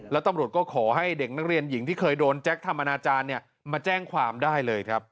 แล้วตำรวจก็ขอให้เด็กนักเรียนหญิงที่เคยโดนแจ็คทำอนาจารย์มาแจ้งความได้เลยครับ